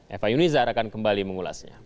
eva yunizar akan kembali mengulasnya